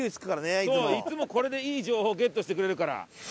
いつもこれでいい情報ゲットしてくれるから。